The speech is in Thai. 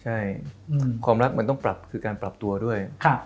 ใช่ความรักมันต้องปรับคือการปรับตัวด้วย